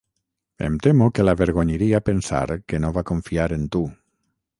Em temo que l'avergonyiria pensar que no va confiar en tu.